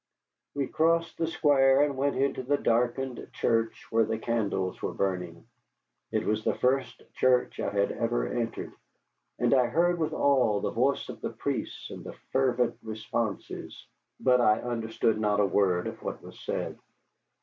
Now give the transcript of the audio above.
We crossed the square and went into the darkened church, where the candles were burning. It was the first church I had ever entered, and I heard with awe the voice of the priest and the fervent responses, but I understood not a word of what was said.